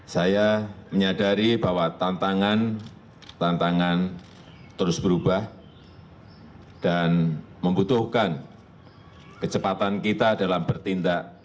saya menyadari bahwa tantangan tantangan terus berubah dan membutuhkan kecepatan kita dalam bertindak